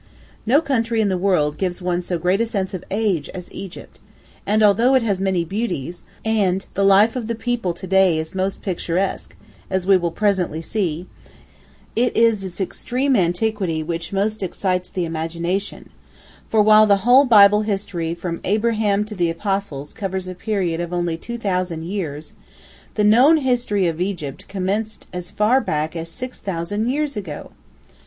No country in the world gives one so great a sense of age as Egypt, and although it has many beauties, and the life of the people to day is most picturesque, as we will presently see, it is its extreme antiquity which most excites the imagination, for, while the whole Bible history from Abraham to the Apostles covers a period of only 2,000 years, the known history of Egypt commenced as far back as 6,000 years ago!